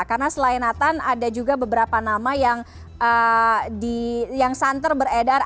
karena selain nathan ada juga beberapa nama yang santer beredar